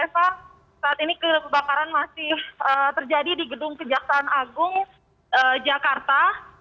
eva saat ini kebakaran masih terjadi di gedung kejaksaan agung jakarta